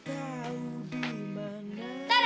kamu kemana andoni